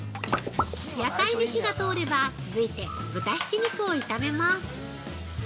野菜に火が通れば続いて豚ひき肉を炒めます。